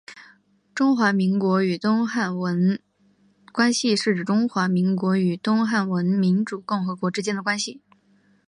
中华民国与东帝汶关系是指中华民国与东帝汶民主共和国之间的关系。